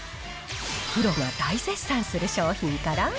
プロが大絶賛する商品から。